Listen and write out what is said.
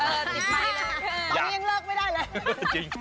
ตอนนี้ยังเลิกไม่ได้เลย